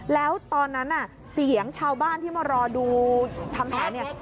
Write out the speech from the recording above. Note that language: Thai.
แล้วตอนนั้นเสียงชาวบ้านที่มารอดูทำแผนเนี่ย